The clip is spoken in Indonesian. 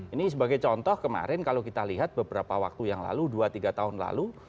ini sebagai contoh kemarin kalau kita lihat beberapa waktu yang lalu dua tiga tahun lalu